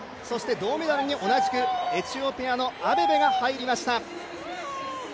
銅メダルに同じくエチオピアのアベベが入りました。